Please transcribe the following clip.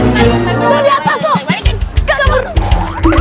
biarin aja jangan pergi